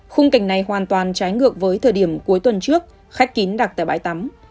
khung cảnh này hoàn toàn trái ngược với thời điểm cuối tuần trước khách kín đặt tại bãi tắm